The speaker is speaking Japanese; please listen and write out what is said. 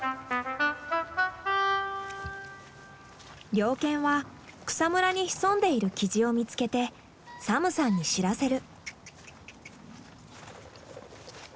猟犬は草むらに潜んでいるキジを見つけてサムさんに知らせる。